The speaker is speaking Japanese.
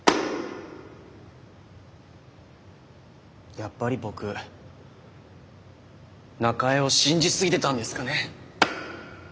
やっぱり僕中江を信じすぎてたんですかね。